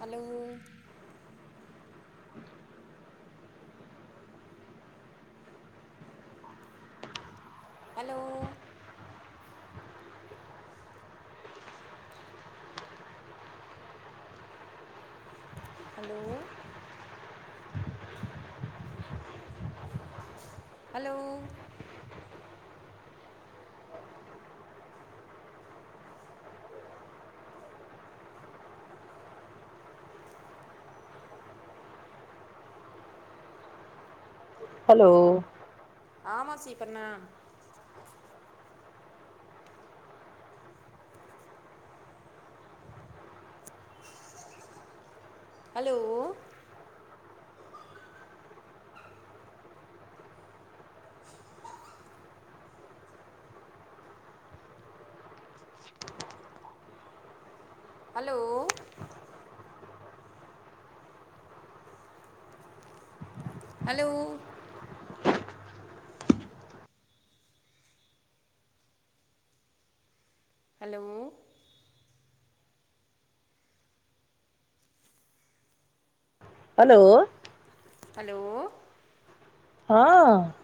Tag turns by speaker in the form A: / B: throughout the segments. A: hello
B: [inaudible]
A: hello hello hello
B: hello
A: हां मौसी प्रणाम hello hello hello hello
B: hello
A: hello
B: हँ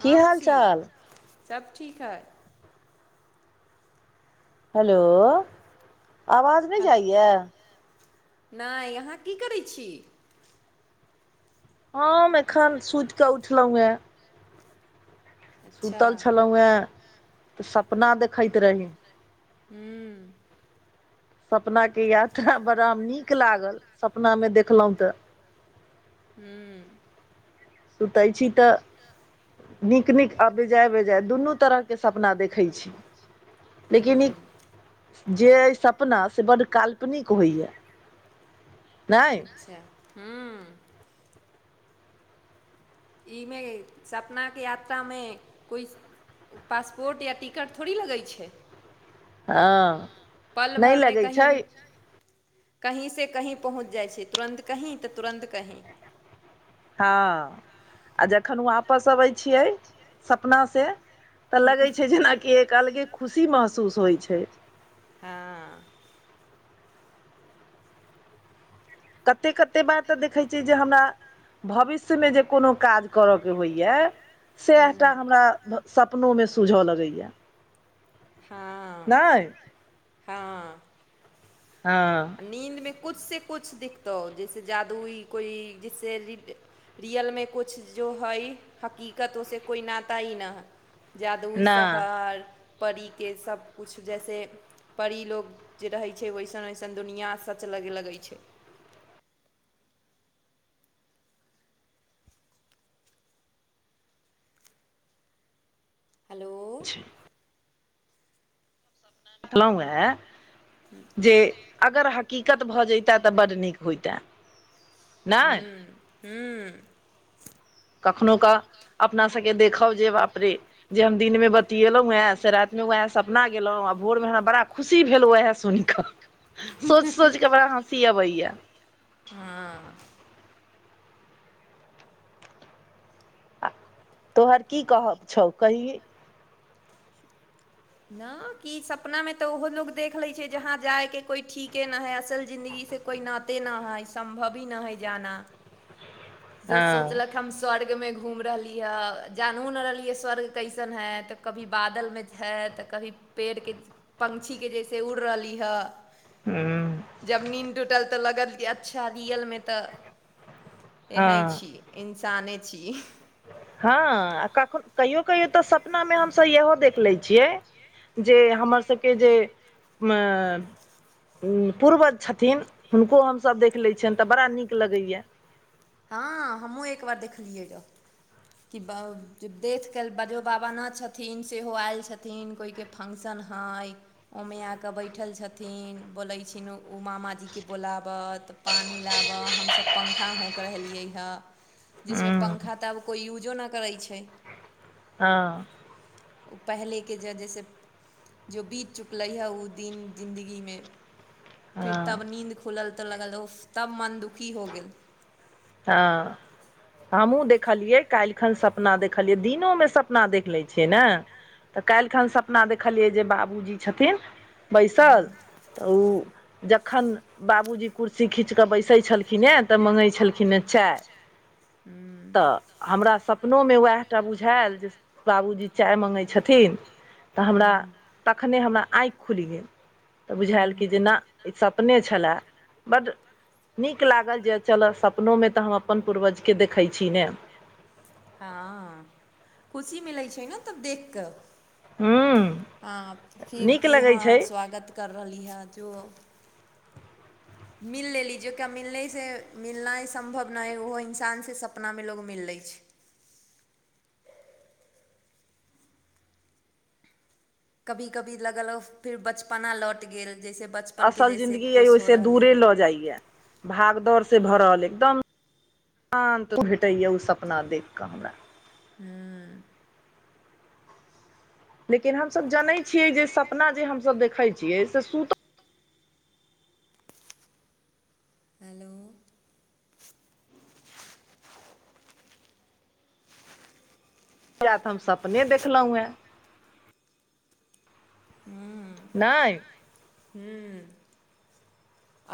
B: की
A: हँ
B: हाल
A: मौसी
B: चाल
A: सब ठीक हय
B: हेलो आवाज नहि जाइयै
A: नय अहाँ की करै छी
B: हम एखन सुति कऽ उठलौ यै
A: अच्छा
B: सुतल छलहुँ हेँ तऽ सपना देखैत रही
A: हूँ
B: सपनाक के यात्रा बड़ा नीक लागल सपना मे देखलौं तऽ
A: हूँ
B: सुतय छी तऽ नीक नीक आ बेजाय बेजाय दुनू तरह के सपना देखै छी लेकिन ई
A: हूँ
B: जे अइ सपना से बड्ड काल्पनिक होइए
A: अच्छा हँ ईमे सपनाके यात्रामे कोइ ओ पासपोर्ट या टिकट थोड़ी लगै छै
B: हँ
A: पल
B: नहि
A: भर में
B: लगै
A: कहीं
B: छै
A: भी कहींसँ कहीं पहुँच जाइ छै तुरन्त कहीं तऽ तुरन्त कहीं
B: हँ आ जखन वापस अबै छियै सपनासँ तऽ
A: हँ
B: लगै
A: हूँ
B: छै जेनाकि एक अलगे खुशी महसूस होय छै
A: हँ
B: कतेक कतेक बार तऽ देखैत छियै जे हमरा भविष्यमे जे कोनो काज करयके होइए से एकटा हमरा सपनोमे सूझऽ लगैया
A: हँ हँ
B: हँ
A: नीन्दमे कुछसँ कुछ देखितौ जैसे जादूई कोइ जैसे रि रियलमे किछ जो हइ हकीकत उसे कोइ नात ही न है जादूइ
B: नहि
A: शहर परीके सबकुछ जैसे परी लोग जे रहै छै वइसन वइसन चन दुनिआ सच लगे लगै छै हेलो
B: अ छैा देखलहु ह जे अगर हकीकत भए जताे तऽ बड नीक होईता
A: हू हू
B: कखनू का अपना सबके देखो जे बाप रे जे हम दिन में बतएलहुं वै से रात में वहे सपना गेलहुं आ भोर मेरा बड़ा खुशी भेल वएह सुनि के सोच सोचके बड़ा सीया बैय
A: हँ
B: तोहर की कहब छौ कहि
A: न कि सपना मे तऽ ओहो लोग देख लै छै जहा जाय के कोइ ठीके न है असल जिंन्दगी से कोइ नाते नहि है सम्भव ही नहि है जाना जो
B: हँ
A: सोचलक हम स्वर्गमे घूम रहली हे जानू ने रहलियै स्वर्ग कैसन है तऽ कभी बादलमे हइ तऽ कभी पेड़के पङक्षीके जैसे उड़ रहली हँ
B: हूँ
A: जब निन्द टूटल तऽ लगल अच्छा रियल मे तऽ एहे
B: हँ
A: छी इन्साने छी
B: हँ आ कखन कहियो कहियो तऽ सपनामे हमस इहो देख लै छियै जे हमर सबके जे अ पूर्वज छथिन हुनको हमसभ देख लै छन तऽ बड़ा नीक लगैया
A: हँ हमह एकबार देखलियै य कि देख क बाजो बाबा नहि छथिन सेहो आयल छथिन कोइके फंक्शन हइ ओमेआकेँ बैठल छथिन बोलै छिन ओ मामाजीकेँ बोलाबत पानी लाबऽ हम सब पंखा हो कहलाई ह जिसमें
B: हूँ
A: पंख अब यूज़जो ने कराई छै
B: हँ
A: ओ पहिलेके जे जइसे जो बीत चुकलै हे ओ दीन जिन्दगीमे फेर तब
B: हँ
A: नींन्द खुलल तऽ लगल ओ तब मन दुखी हो गेल
B: हँ हमहु देखलियै काल्हि खन सपना देख खलियै दिनोमे सपना देख लै छियै ने तऽ काल्हिखन सपना देखलियै जे बाबूजी छथिन बैसल तऽ ओ जखन बाबूजी कुर्सी खींच तऽ बैसै छलखिन हे तऽ मँगै छलखिन हे चाय
A: हुँ
B: तऽ हमरा सपनोमे उएह टा बुझाायल जे बाबूजी चाय मङ्गै छथिन तऽ हमरा तखने हमरा आँख खुलि गेल तऽ बुझायल कि जे नहि ई सपने छलय बड्ड नीक लागल जे चलऽ सपनोमे तऽ हम अपन पूर्वजके देखैत छी ने
A: हँ खुशी मिलैत छै ने तब देख कऽ
B: हुँ
A: हँ फिर की हँ स्वागत कर रहली है जो मिल लेली जकि मिललसँ मिलना ही सम्भव नहि है ओहो इन्सानसँ सपनामे लोकोग मिल लै छै कभी कभी लगल फेर बचपना लौट गेल जैसे बचपनके
B: असल
A: जैसे
B: जिन्दगी यइ
A: खुश हो
B: उहिसे
A: रहली
B: दूरे
A: हँ
B: लऽ जाइए भागदौड़ से भरल एकदम शान्त भेटैए ओ सपना देख कऽ हमरा
A: हुँ
B: लेकिन हमस जनै छियै जे सपना जे हमस देखे छियै से सुतल
A: हेलो
B: परा तऽ हम सपने देखलहुँ हेँ नहिइ
A: हुँ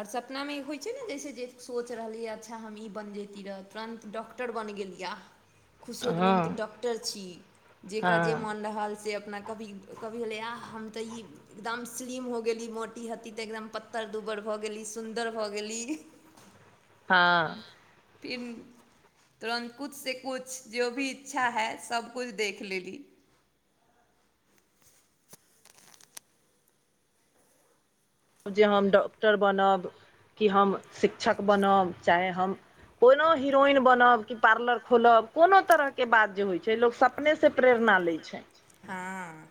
A: आओर सपनामे होइत छै ने जैसे जे सोच रहलियै अच्छा हम ई बनि जेैती रहै तुरन्त डॉक्टर बनि गेलियै
B: ह [unintelligible]
A: खुश हो गेलै हम तऽ डॉक्टर छी जकरा जे
B: हँ
A: मोन रहल से अपना कभी कभी हले आा हम ते ई एकदम स्लिम हो गेली मोटी ह्ती ते एकदम पत्तर दुबर भऽ गेली सुन्दर भऽ गेली
B: हँ
A: फिर तुरन्त किुछसँ किुछु जो भी इच्छा हइ सबकुछु देख लेली
B: जे हम डॉक्टर बनब कि हम शिक्षक बनब चाहे हम कोनो हिरोइन बनब कि पार्लर खोलब कोनो तरहके बात जे होइ छै लोक सपने से प्रेरणा लैत छै
A: हाँ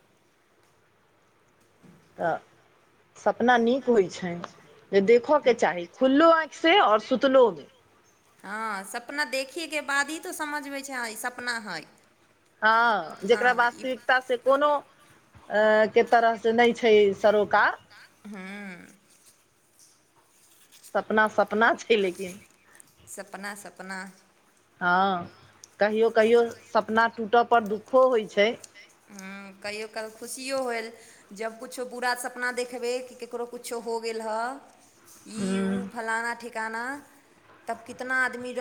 B: तऽ सपना नीक होइत छनि जे देखऽके चाही खुल्लो आँख से औ सुतलो में
A: हँ सपना देखैके बाद ही तो समझबै छैँ ई सपना हइ
B: हँ जेकरा
A: हँ
B: वास्तविक से
A: ई
B: कोनो के तरह से नहि छै सरोकार
A: हुँ
B: सपना सपना छै लेकिन
A: सपना सपना
B: हँ कहियो कहियो सपना टूटऽ पर दुःखो होइ छै
A: हुँ कहियो काल खुशियो होल जब किछो बुरा सपना देखबै कि ककरो किछो हो गेल हए ई ओ
B: हूँ
A: फलाना ठिकाना तब कितना आदमी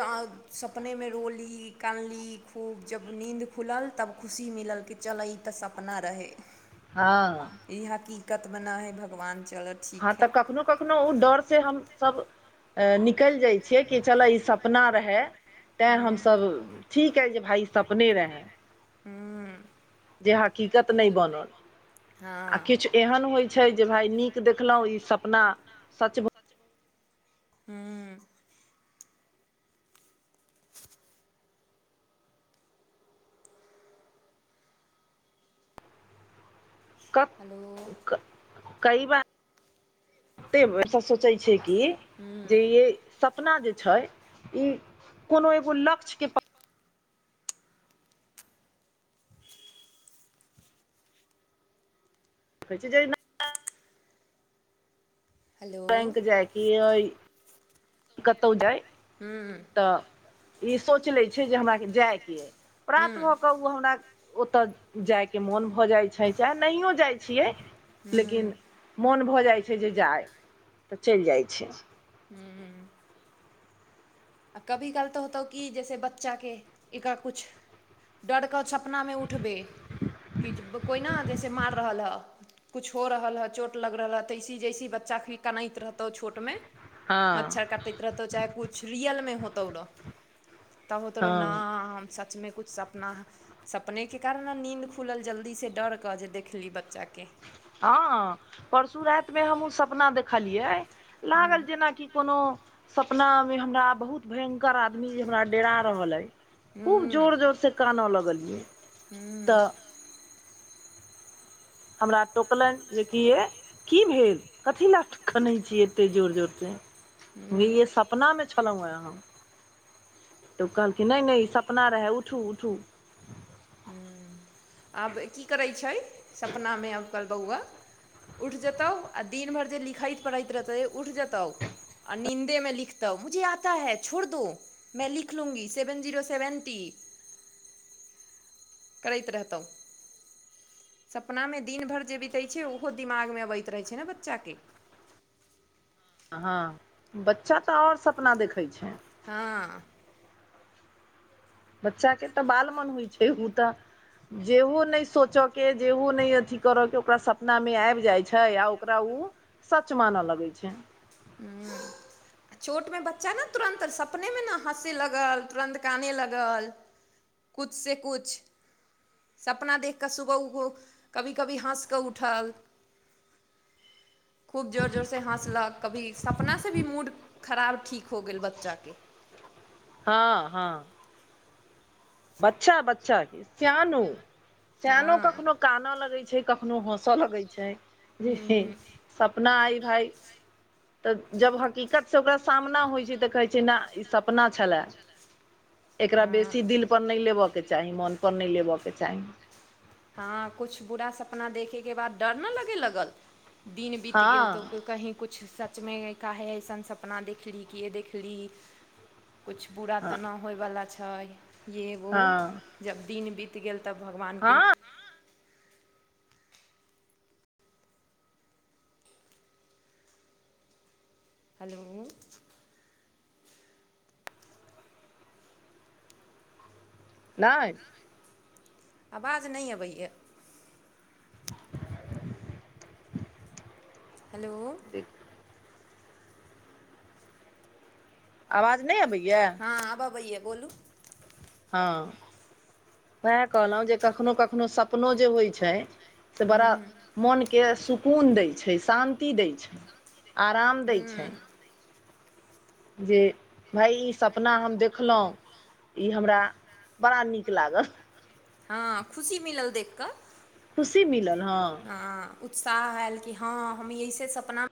A: सपनेमे रोली कानली खूब जब नीन्द खुलल तब खुशी मिलल कि चलऽ ई तऽ सपना रहै
B: हँ
A: इ हकीकत मे न है भगवान चल
B: हँ तऽ कखनो कखनो ओ डर से हमसब आ निकैल जाइ छियै कि चलऽ ई सपना रहै तैँ
A: हँ
B: हमसभ ठीक अइ जे भाय सपने रहै
A: हछ एहन होइ
B: देखलहु ई सपना सच
A: हूँ [unintelligible]
B: क
A: हेलो
B: कई बार एतेक सोचै छै कि
A: हूँ
B: जे सपना जे छै ई कोनो एगो लक्ष्य के खै छै जाइ ने
A: हेलो
B: बैंक जायके कतहु जाय
A: हूँ
B: तऽ ई सोच लै छै जे हमरा जाइके अइ प्रात
A: हूँ
B: भऽ कऽ ओ हमरा ओतय जायके मोन भऽ जाइत छै चाहे नहियो जाइ छियै लेकिन
A: हूँ
B: मोन भऽ जाइ छै जे जाइ तऽ चैल जाइ छै
A: हू आ कभी काल तऽ होतौ कि जैसे बच्चाके एकर कुछ डरकेऽ सपनामे उठबै कि जे कोइना जइसे मार रहल हँ कुछ हो रहल हए चोट लग रहल ह तैइसी जइसी बच्चाके भी कनैत रहतौ छोटमे
B: हँ
A: मच्छर काटैत रहतौ चाहे कुछ रियलमे होतौ रहो तब हो तोरो
B: हँ
A: नाम हम सचमे कुछ सपना ह सपनेके कारण ने नीन्द खुलल जल्दीसँ डर कऽ जे देखली बच्चाकेँ
B: हँ परसु रातमे हमहुूँ सपना देखलियै
A: हूँ
B: लागल जेनाकि कोनो सपना मे हमरा बहुत भयं्कर आदमी जे हमरा देरा रहल अय खूब जोर जोर से कानऽ लगलियै
A: हू
B: तऽ हमरा टोकलन जेकि य की भेल कथी लए क खनै छीयै एतेक जोर जोरसँ
A: हूँ
B: सपना मे छलहुं हे हम तऽ ओ कहलखिन नहि नहि ई सप अपना रहै उठू उठू
A: आब की करै छै सपनामे आब कल्ह बौआ उठि जेतहु आ दिन भरि जे लिखैत पढ़ैत रहतै उठि जेतहु आ नींन्दे में लिखतौ मुझे आता है छोड़ दो में लिख लूंगी सेवन जीरो सेवन्टी करैत रहतहुँ सपनामे दिन भरि जे बिते छै ओहो दिमागमे अबैत रहैत छै ने बच्चाके
B: हँ बच्चा तऽ ओर सपना देखैत छै
A: हँ
B: बच्चाके तऽ बाल मन होइ छै उ तऽ जेहू नहि सोचय के जेहू नहि अथि करय के ओकरा सब नामि आब जाइ छै आ ओकरा उ सच मानऽ लगै छै
A: हू चोटमे बच्चा ने तुरन्त सपनेमे ने हँसय लगल तुरन्त काने लगल कुछ स कुछ सपना देख कऽ सुबह उो कभी कभी हँस कऽ उठल खूब जोर जोरसँ हँसलक कभी सपना से भी मूड खराब ठीक हो गेल बच्चाके
B: हँ हँ बच्छा बच्छा स्यानो स्यानो
A: हँ
B: कखनो कानऽ लगै छै कखनो हँसऽ लगै छै जी
A: हूँ
B: सपना आइ भाइ तऽ जब हकीकत से ओकरा सामना होइ छै तऽ कहै छै न ई सपना छले एकरा
A: हँ
B: बेसी दिल पर नहि लेबऽ के चाही मन पर नहि लेबऽ के चाही
A: हँ कुछ बुरा सपना देखयके बाद डर नहि लगे लगल दिन बीत गेल तोऽ
B: हँ
A: कोइ कहीं कुछ सचमे काहे अइसन सपना देखली कीये देखली कुछ बुरा
B: हँ
A: तऽ नहि होइवला छै ये वो
B: हँ
A: जब दिन बीत गेल तब भगवानके
B: हँ
A: हेलो
B: नहि
A: आवाज नहि अबैया
B: [inaudible]
A: हेलो
B: ठीक [unintelligible] आवाज नहि अबैया
A: हँ आब अबैय बोलू
B: हँ उएह कहलहुँ जे कखनो कखनो सपनो जे होइ छै से बड़ा मोनके सुकून दै छै शान्ति दै छै आराम दै छै जे भाय ई सपना हम देखलहुँ ई हमरा बड़ा नीक लागल
A: हँ खुशी मिलल देख कऽ
B: खुशी मिलल हँ
A: हँ उत्साह आयल कि हँ हम एहिसे सपना